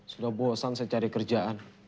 sudah bosan saya cari kerjaan